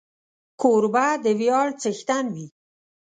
کوربه د ویاړ څښتن وي.